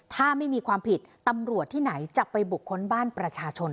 ถ้าไม่มีความผิดตำรวจที่ไหนจะไปบุคคลบ้านประชาชน